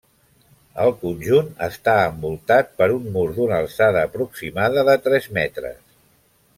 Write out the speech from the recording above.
El conjunt està envoltat per un mur d'una alçada aproximada de tres metres.